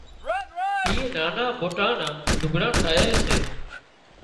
آي نانان موٽان نان لُگھڙان ٺاهي سي